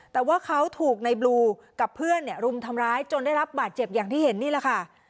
แต่ว่าเขาถูกในบลูกับเพื่อนรุมทำร้ายจนได้รับบาดเจ็บอย่างที่เห็นนี่แหละค่ะ